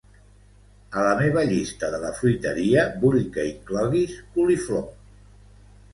A la meva llista de la fruiteria vull que incloguis coliflor.